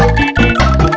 yang dulu nyiksa kita